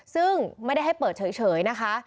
ซึ่งไม่ได้ให้เปิดเฉยนะคะ